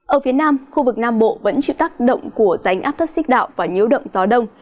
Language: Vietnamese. ở phía nam khu vực nam bộ vẫn chịu tác động của ránh áp thấp xích đạo và nhiễu động gió đông